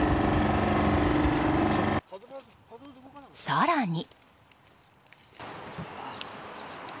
更に。